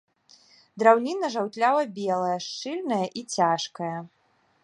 Драўніна жаўтлява-белая, шчыльная і цяжкая.